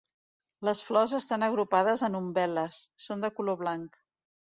Les flors estan agrupades en umbel·les, són de color blanc.